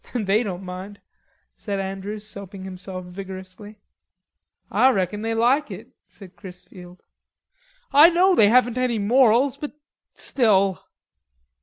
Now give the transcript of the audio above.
"They don't mind," said Andrews soaping, himself vigorously. "Ah reckon they lahk it," said Chrisfield. "I know they haven't any morals.... But still."